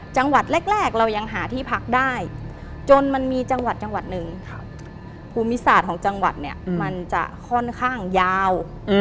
จังหวัดแรกเรายังหาที่พักได้จนมันมีจังหวัดจังหวัดหนึ่งภูมิศาสตร์ของจังหวัดเนี่ยมันจะค่อนข้างยาว